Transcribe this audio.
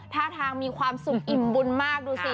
ท่าทางมีความสุขอิ่มบุญมากดูสิ